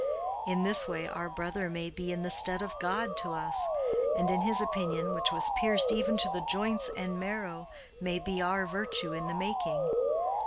In this way our brother may be in the stead of God to us, and his opinion which has pierced even to the joints and marrow, may be our virtue in the making.